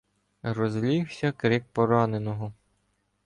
Розлігся крик пораненого.